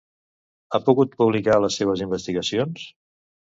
Ha pogut publicar les seves investigacions?